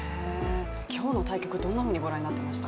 今日の対局、どんなふうにご覧いただいていました？